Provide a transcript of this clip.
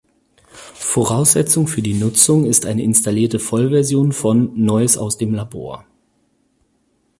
Voraussetzung für die Nutzung ist eine installierte Vollversion von "Neues aus dem Labor".